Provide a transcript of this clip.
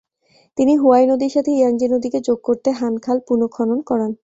তিনি হুয়াই নদীর সাথে ইয়াংজি নদীকে যোগ করতে হান খাল পুনঃখনন করান।